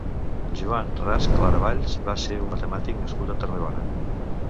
Joan Ras Claravalls va ser un matemàtic nascut a Tarragona.